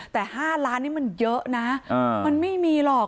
แต่๕ล้านนี่มันเยอะนะมันไม่มีหรอก